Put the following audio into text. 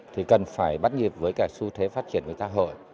thì cần phải bắt nhịp với cả xu thế phát triển của xã hội